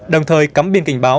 đồng thời cấm biên cảnh báo